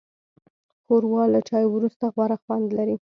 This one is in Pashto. ښوروا له چای وروسته غوره خوند لري.